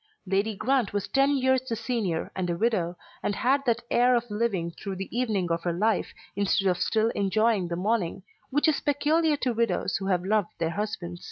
Lady Grant was ten years the senior and a widow, and had that air of living through the evening of her life instead of still enjoying the morning, which is peculiar to widows who have loved their husbands.